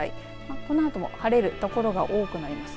このあとも晴れるところが多くなります。